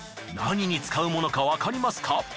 何に使うものかわかりますか？